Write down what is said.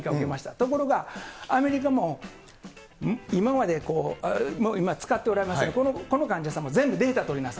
ところが、アメリカも今まで、もう今使っておられますが、この患者様、全部データ取ります。